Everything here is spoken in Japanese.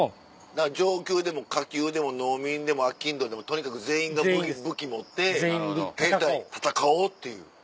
だから上級でも下級でも農民でもあきんどでもとにかく全員が武器持って戦おうっていう。